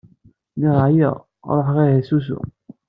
Lliɣ ɛyiɣ, ruḥeɣ ihi s usu.